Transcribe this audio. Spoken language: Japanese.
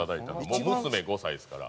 もう娘５歳ですから。